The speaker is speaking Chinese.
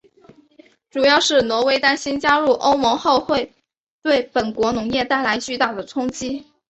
主要是挪威担心加入欧盟后会对本国农业带来巨大的冲击。